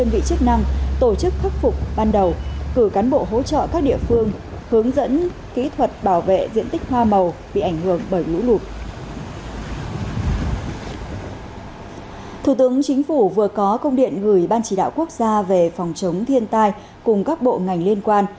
văn phòng thường trực ban chỉ đạo quốc gia về phòng chống thiên tai cùng các bộ ngành liên quan